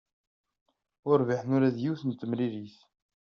Ur rbiḥen ula d yiwet n temilit.